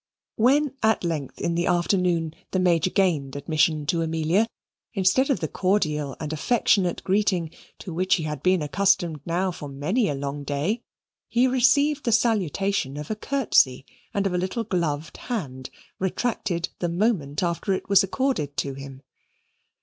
When at length, in the afternoon, the Major gained admission to Amelia, instead of the cordial and affectionate greeting, to which he had been accustomed now for many a long day, he received the salutation of a curtsey, and of a little gloved hand, retracted the moment after it was accorded to him.